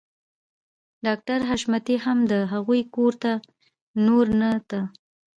ډاکټر حشمتي هم د هغوی کور ته نور نه ته